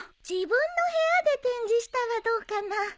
自分の部屋で展示したらどうかな？